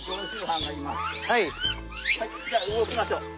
じゃあ動きましょう。